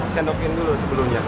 sendokin dulu sebelumnya